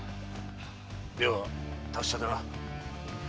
では達者でな。